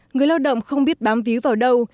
người lao động không biết bám víu vào đâu